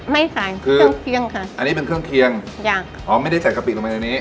ไม่ขายเครื่องเคียงค่ะอันนี้เป็นเครื่องเคียงทุกอย่างอ๋อไม่ได้ใส่กะปิลงไปในนี้